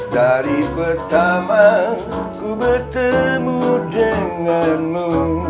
dari pertama ku bertemu denganmu